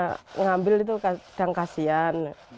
ngambil itu kadang kasian